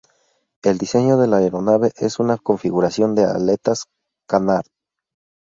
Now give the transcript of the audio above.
El diseño de la aeronave es una configuración de aletas Canard.